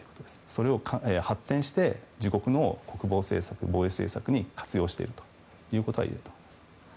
それを発展して自国の国防政策、防衛政策に活用していくということがいえると思います。